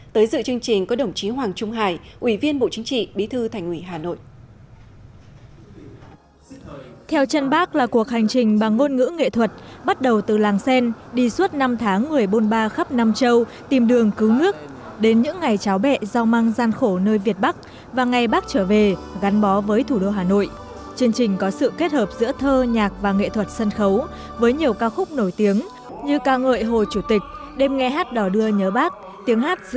tới dự chương trình có đồng chí hoàng trung hải ủy viên bộ chính trị bí thư thành ủy hà nội